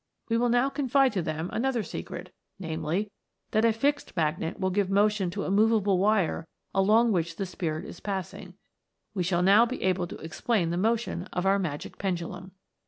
We will now confide to them another secret, namely, that a fixed magnet will give motion to a moveable wire along which the Spirit is passing. We shall now be able to explain the motion of our magic pendulum.